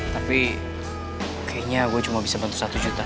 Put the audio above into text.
tapi kayaknya gue cuma bisa bantu satu juta